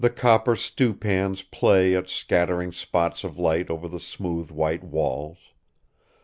The copper stewpans play at scattering spots of light over the smooth white walls.